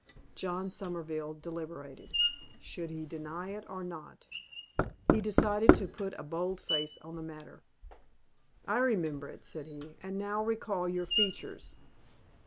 John Somerville deliberated. Should he deny it or not? He decided to put a bold face on the matter. "I remember it," said he, "and now recall your features.